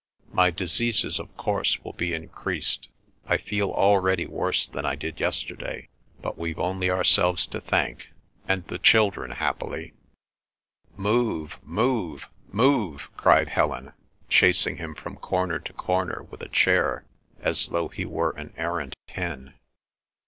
My diseases of course will be increased—I feel already worse than I did yesterday, but we've only ourselves to thank, and the children happily—" "Move! Move! Move!" cried Helen, chasing him from corner to corner with a chair as though he were an errant hen.